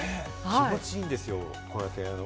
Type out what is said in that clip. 気持ちいいんですよ。